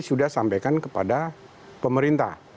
sudah sampaikan kepada pemerintah